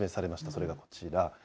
それがこちら。